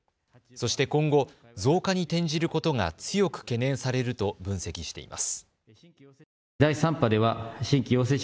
そして今後、増加に転じることが強く懸念されると分析しています。